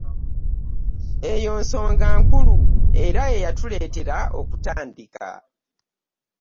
Eyo nsonga nkulu era ye yatuleetera okutandika.